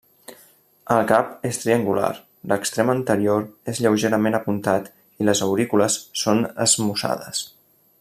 El cap és triangular, l'extrem anterior és lleugerament apuntat i les aurícules són esmussades.